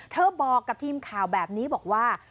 บอกกับทีมข่าวแบบนี้บอกว่า